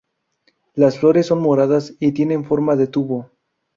Las flores son moradas y tienen forma de tubo.